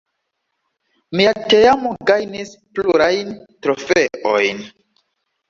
Mia teamo gajnis plurajn trofeojn.